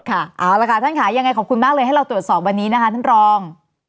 เอาละค่ะท่านค่ะยังไงขอบคุณมากเลยให้เราตรวจสอบวันนี้นะคะท่านรอง